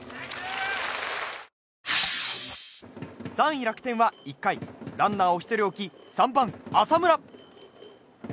３位、楽天は１回ランナーを１人置き３番、浅村。